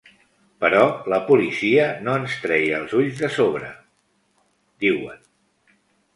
Però la policia no ens treia els ulls de sobre, diuen.